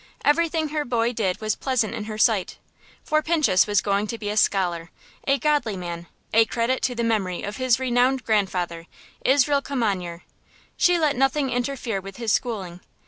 Everything her boy did was pleasant in her sight, for Pinchus was going to be a scholar, a godly man, a credit to the memory of his renowned grandfather, Israel Kimanyer. She let nothing interfere with his schooling.